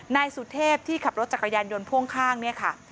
นายสุเทพที่ขับรถจักรยานยนต์พ่วงข้างเนี่ยค่ะ